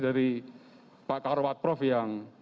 dari pak karwat prof yang